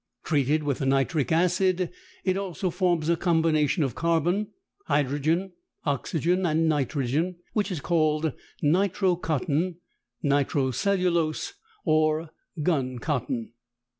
Treated with nitric acid it also forms a combination of carbon, hydrogen, oxygen and nitrogen, which is called nitro cotton, nitro cellulose, or gun cotton.